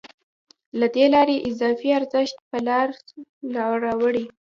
له دې لارې اضافي ارزښت په لاس راوړي